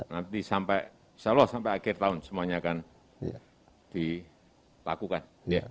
nanti sampai insyaallah sampai akhir tahun semuanya akan dilakukan